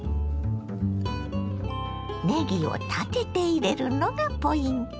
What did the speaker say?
ねぎを立てて入れるのがポイント。